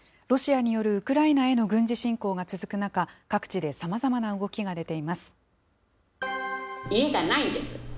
ロシアによるウクライナへの軍事侵攻が続く中、各地でさまざまな動きが出ています。